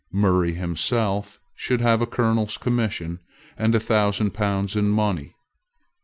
Murray himself should have a colonel's commission, and a thousand pounds in money.